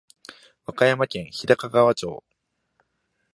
和歌山県日高川町